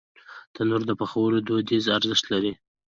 تنور د پخلي دودیز ارزښت لري